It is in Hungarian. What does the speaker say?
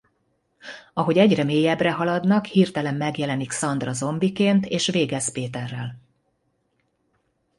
Ahogy egyre mélyebbre haladnak hirtelen megjelenik Sandra zombiként és végez Peterrel.